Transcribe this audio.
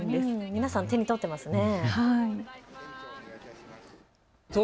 皆さん、手に取ってますね。